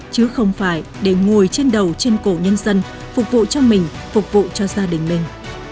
chứ không phải để ngồi trên đầu trên cổ nhân dân phục vụ cho mình phục vụ cho gia đình mình